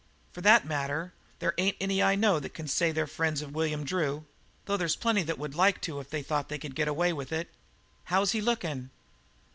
"For that matter, there ain't any I know that can say they're friends to William Drew, though there's plenty that would like to if they thought they could get away with it. How's he lookin'?"